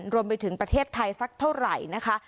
รวมไปถึงประเทศไทยสักเท่าไหร่นะคะ